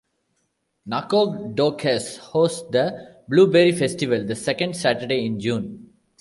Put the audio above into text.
Nacogdoches hosts the Blueberry Festival the second Saturday in June.